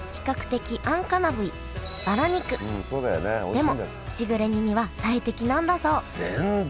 でもしぐれ煮には最適なんだそう全然。